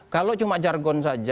kalau cuma jargon saja